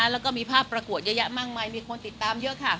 แล้วก็มีภาพประกวดเยอะแยะมากมายมีคนติดตามเยอะค่ะ